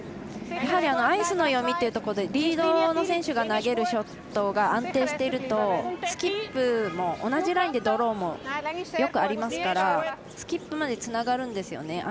やはりアイスの読みというところでリードの選手が投げるショットが安定しているとスキップも同じラインでドローもよくありますからスキップまでつながるんですよね。